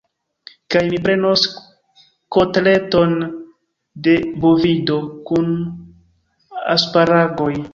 Kaj mi prenos kotleton de bovido kun asparagoj.